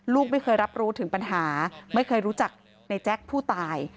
ลูกไม่เคยรับรู้ถึงปัญหาไม่เคยรู้จักในแจ๊คผู้ตาย